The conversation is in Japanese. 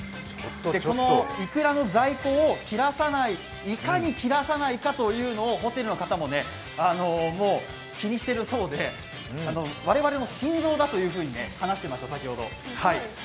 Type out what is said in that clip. このいくらの在庫をいかに切らさないかというのをホテルの方も気にしているそうで我々の心臓だと話していました、先ほど。